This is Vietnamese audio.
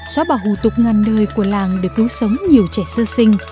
xóa bỏ hù tục ngăn nơi của làng để cứu sống nhiều trẻ sơ sinh